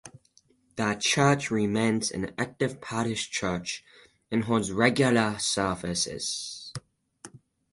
The church remains an active parish church and holds regular services.